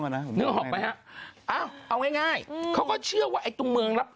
นึกออกไหมฮะเอาง่ายเขาก็เชื่อว่าไอ้ตัวเมืองรับ